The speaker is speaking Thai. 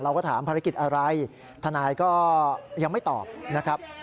เราก็ถามภารกิจอะไรทนายก็ยังไม่ตอบนะครับ